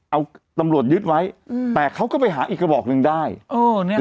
เอาตำรวจยึดไว้อืมแต่เขาก็ไปหาอีกกระบอกหนึ่งได้เออเนี้ย